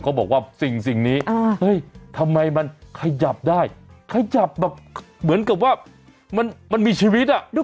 บอกว่าสิ่งนี้เฮ้ยทำไมมันขยับได้ขยับแบบเหมือนกับว่ามันมีชีวิตอ่ะ